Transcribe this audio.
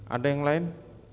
ada yang lain